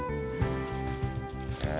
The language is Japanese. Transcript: へえ。